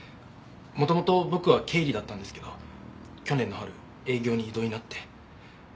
元々僕は経理だったんですけど去年の春営業に異動になって。